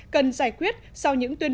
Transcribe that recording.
về nâng thuế đối với nhiều mạng nông nghiệp